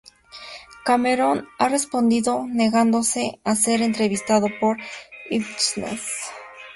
Cameron ha respondido negándose a ser entrevistado por Hitchens.